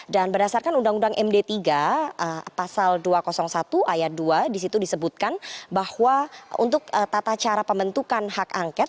dan berdasarkan undang undang md tiga pasal dua ratus satu ayat dua disitu disebutkan bahwa untuk tata cara pembentukan hak angkat